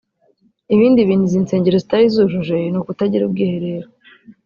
Ibindi bintu izi nsengero zitari zujuje ni ukutagira ubwiherero